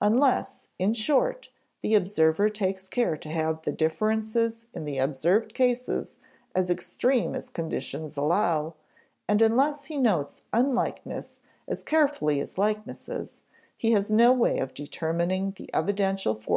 Unless, in short, the observer takes care to have the differences in the observed cases as extreme as conditions allow, and unless he notes unlikenesses as carefully as likenesses, he has no way of determining the evidential force of the data that confront him.